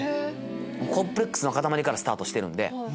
コンプレックスの塊からスタートしてるんで。